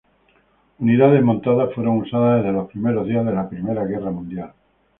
Unidades montadas fueron usadas desde los primeros días de la primera guerra mundial.